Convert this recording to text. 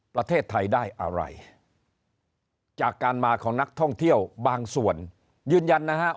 ประเทศไทยได้อะไรจากการมาของนักท่องเที่ยวบางส่วนยืนยันนะฮะ